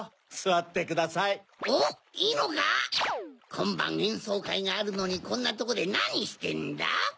こんばんえんそうかいがあるのにこんなとこでなにしてんだ？